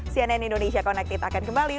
cnn indonesia connected akan kembali